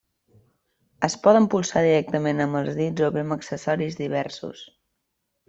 Es poden polsar directament amb els dits o bé amb accessoris diversos.